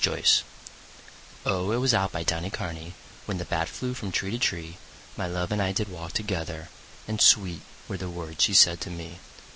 XXXI O, it was out by Donnycarney When the bat flew from tree to tree My love and I did walk together; And sweet were the words she said to me.